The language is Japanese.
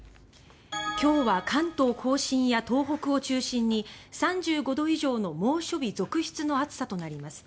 今日は関東・甲信や東北を中心に３５度以上の猛暑日続出の暑さとなります。